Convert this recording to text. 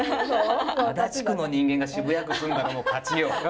足立区の人間が渋谷区住んだらもう勝ちよ。